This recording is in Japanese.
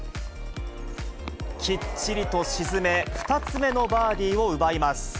きっちりと沈め、２つ目のバーディーを奪います。